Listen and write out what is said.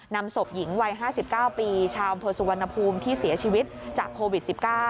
นำศพหญิงวัย๕๙ปีชาวอำเภอสุวรรณภูมิที่เสียชีวิตจากโควิด๑๙